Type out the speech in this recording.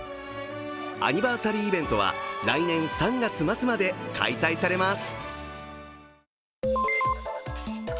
アニバーサリーイベントは来年３月末まで開催されます。